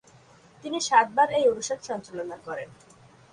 তিনি সাতবার এই অনুষ্ঠান সঞ্চালনা করেন।